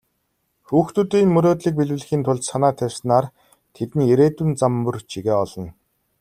Хүүхдүүдийн мөрөөдлийг биелүүлэхийн тулд санаа тавьснаар тэдний ирээдүйн зам мөр чигээ олно.